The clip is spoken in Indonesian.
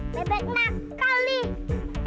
mebek nakal nih